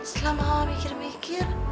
setelah mama mikir mikir